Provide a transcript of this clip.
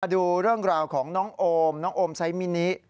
ดูเรื่องราวของน้องโอมน้องโอมไซมินิ